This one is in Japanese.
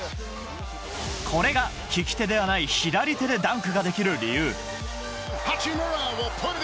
これが利き手ではない左手でダンクができる理由。